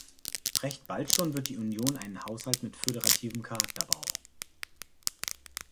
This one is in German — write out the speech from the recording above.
Recht bald schon wird die Union einen Haushalt mit föderativem Charakter brauchen.